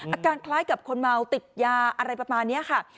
อาการคล้ายกับคนเมาติดยาอะไรประมาณนี้ค่ะ